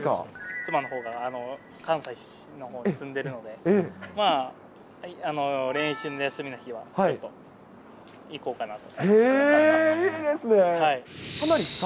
妻のほうが関西出身で、住んでるので、練習が休みの日はちょっと行こうかなと。